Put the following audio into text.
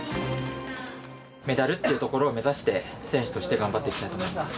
メダルっていうところを目指して選手として頑張っていきたいと思います。